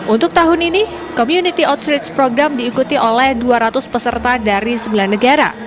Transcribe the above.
untuk tahun ini community outreach program diikuti oleh dua ratus peserta dari sembilan negara